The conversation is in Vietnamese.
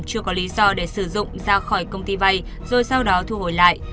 chưa có lý do để sử dụng ra khỏi công ty vay rồi sau đó thu hồi lại